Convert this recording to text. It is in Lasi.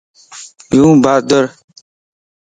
يو بھادرَ